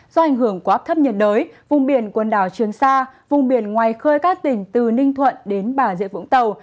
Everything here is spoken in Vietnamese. do ảnh hưởng của áp thấp nhiệt đới vùng biển quần đảo trường sa vùng biển ngoài khơi các tỉnh từ ninh thuận đến bà rịa vũng tàu